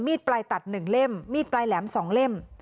ปลายตัด๑เล่มมีดปลายแหลม๒เล่ม